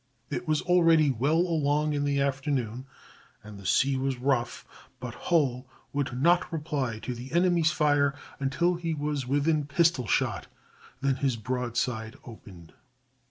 It was already well along in the afternoon, and the sea was rough, but Hull would not reply to the enemy's fire until he was within pistol shot, then his broadside opened.